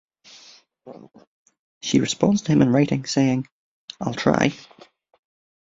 She responds to him in writing, saying "I'll try".